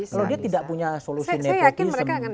kalau dia tidak punya solusi nepotism